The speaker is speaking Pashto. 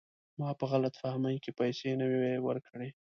ما په غلط فهمۍ کې پیسې نه وې ورکړي.